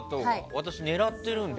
私、狙ってるので。